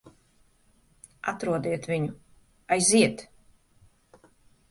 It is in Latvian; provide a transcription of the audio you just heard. Atrodiet viņu. Aiziet!